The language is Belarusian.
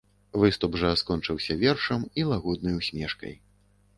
Выступ жа скончыўся вершам і лагоднай усмешкай.